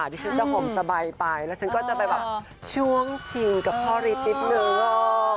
พี่ซิดจะห่วงสบายไปแล้วช่วงชิงกับพ่อรีฟนิดนึง